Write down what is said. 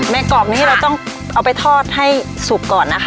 กรอบนี้เราต้องเอาไปทอดให้สุกก่อนนะคะ